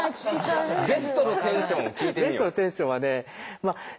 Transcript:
ベストのテンションを聞いてみよう。